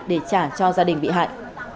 để trả cho gia đình bị hại